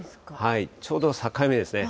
ちょうど境目ですね。